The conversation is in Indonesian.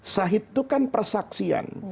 syahid itu kan persaksian